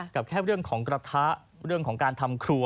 กับแค่เรื่องของกระทะเรื่องของการทำครัว